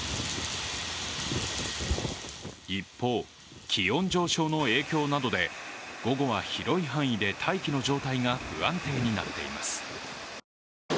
一方、気温上昇の影響などで午後は広い範囲で大気の状態が不安定になっています。